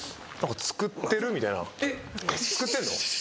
作ってんの？